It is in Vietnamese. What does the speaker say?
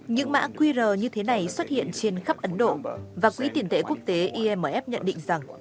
những mã qr như thế này xuất hiện trên khắp ấn độ và quỹ tiền tệ quốc tế imf nhận định rằng